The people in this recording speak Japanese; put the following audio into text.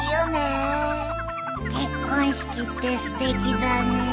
結婚式ってすてきだね。